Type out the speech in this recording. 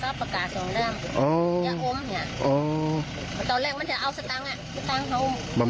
มีอาทิตย์เนื้อพลังที่อัพที่สร้าง